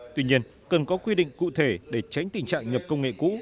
tuy nhiên cần có quy định cụ thể để tránh tình trạng nhập công nghệ cũ